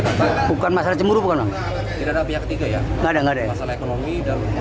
dapat bukan masalah cemburu bukan tidak ada pihak tiga ya nggak ada nggak ada masalah ekonomi dan